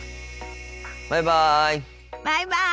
バイバイ。